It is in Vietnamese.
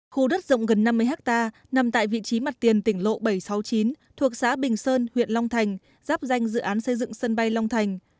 khu đất rộng gần năm mươi hectare nằm tại vị trí mặt tiền tỉnh lộ bảy trăm sáu mươi chín thuộc xã bình sơn huyện long thành giáp danh dự án xây dựng sân bay long thành